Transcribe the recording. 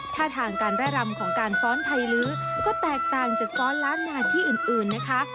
ท่าทางการแร่รำของการฟ้อนไทยลื้อก็แตกต่างจากฟ้อนล้านนาที่อื่นนะคะ